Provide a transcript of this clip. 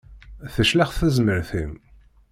Teclex tezmert-im.